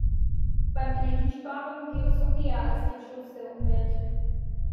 Beim Energiesparen geht es um mehr als den Schutz der Umwelt.